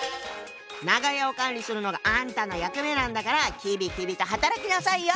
長屋を管理するのがあんたの役目なんだからきびきびと働きなさいよ。